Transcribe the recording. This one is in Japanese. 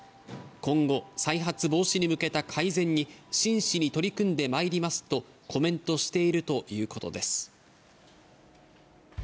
今後、再発防止に向けた改善に真摯に取り組んでまいりますとコメントしているということです。